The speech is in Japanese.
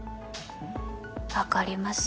わかります